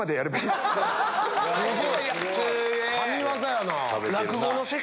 神業やなぁ！